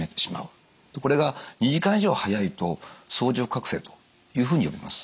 これが２時間以上早いと早朝覚醒というふうに呼びます。